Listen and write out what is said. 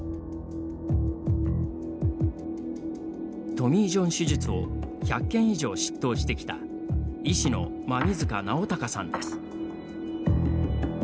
トミー・ジョン手術を１００件以上執刀してきた医師の馬見塚尚孝さんです。